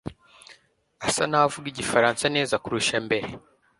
asa naho avuga igifaransa neza kurusha mbere